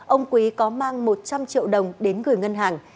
ông quý có mang một trăm linh triệu đồng đến gửi ngân hàng